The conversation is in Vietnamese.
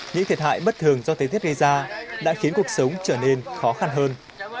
những thiệt hại bất thường do tế thiết gây ra đã khiến cuộc sống trở nên khó khăn hơn